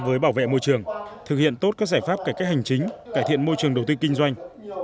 với bảo vệ môi trường thực hiện tốt các giải pháp cải cách hành chính cải thiện môi trường đầu tư kinh doanh